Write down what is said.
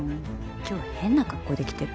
今日変な格好で来てる？